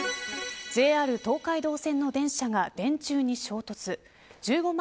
ＪＲ東海道線の電車が電柱に衝突。